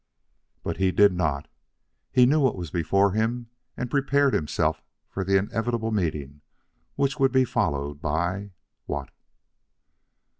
But he did not; he knew what was before him and prepared himself for the inevitable meeting which would be followed by what?